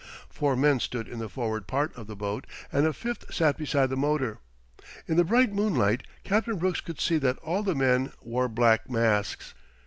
Four men stood in the forward part of the boat, and a fifth sat beside the motor. In the bright moonlight, Captain Brooks could see that all the men wore black masks.